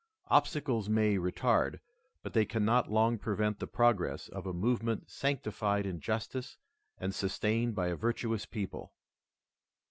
Obstacles may retard, but they cannot long prevent the progress of a movement sanctified in justice and sustained by a virtuous people.